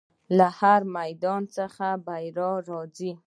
له هر میدان څخه بریالی راځي.